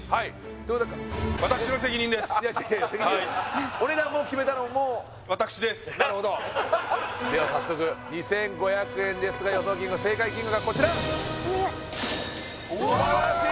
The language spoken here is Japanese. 私ですお値段も決めたのも私ですなるほどでは早速２５００円ですが予想金額正解金額はこちらお願い素晴らしい！